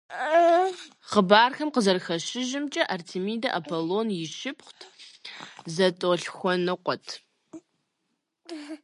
Хъыбархэм къызэрыхэщыжымкӀэ, Артемидэ Аполлон и шыпхъут, зэтӀолъхуэныкъуэт.